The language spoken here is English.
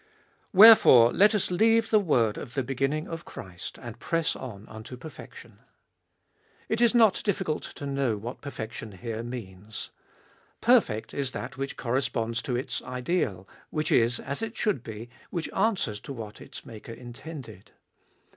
Wherefore, let us leave the word of the beginning of Christ, m>e fbolfest of 2111 205 and press on unto perfection. It is not difficult to know what perfection here means. Perfect is that which corresponds to its ideal, which is as it should be, which answers to what its maker intended.